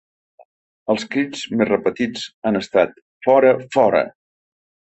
Els crits més repetits han estat ‘Fora, fora!’